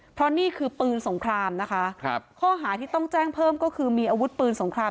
เพราะนี่คือปืนสงครามนะคะครับข้อหาที่ต้องแจ้งเพิ่มก็คือมีอาวุธปืนสงคราม